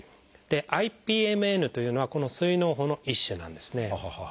ＩＰＭＮというのはこの膵のう胞の一種なんですね。